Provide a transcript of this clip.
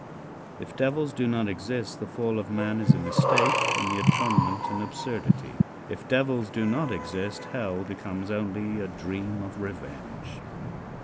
If devils do not exist the fall of man is a mistake and the atonement an absurdity. If devils do not exist hell becomes only a dream of revenge.